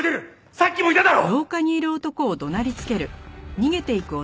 さっきもいただろ！